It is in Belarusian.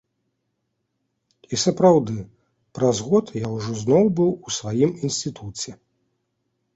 І сапраўды, праз год я ўжо зноў быў у сваім інстытуце.